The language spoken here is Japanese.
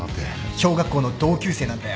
小学校の同級生なんだよ。